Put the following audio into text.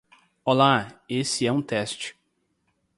Olá, esse é um teste